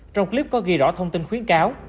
trong clip có ghi rõ thông tin khuyến cáo